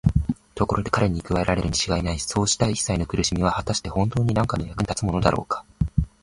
ところで彼に加えられるにちがいないそうしたいっさいの苦しみは、はたしてほんとうになんかの役に立つものだろうか。